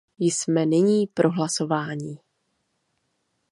Jsme nyní pro hlasování.